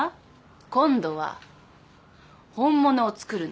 今度は本物を作るの。